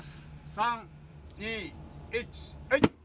３２１はい！